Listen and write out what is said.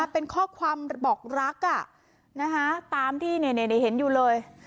เป็นข้อความบอกรักตามที่เห็นอยู่เลย